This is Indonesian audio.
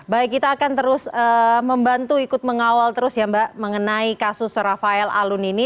baik kita akan terus membantu ikut mengawal terus ya mbak mengenai kasus rafael alun ini